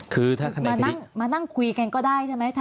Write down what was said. คือถ้ามานั่งคุยกันก็ได้ใช่ไหม